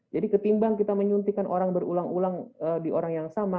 jadi ketimbang kita menyuntikkan orang berulang ulang di orang yang sama